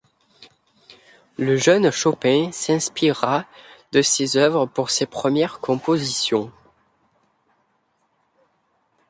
Le jeune Chopin s'inspirera de ses œuvres pour ses premières compositions.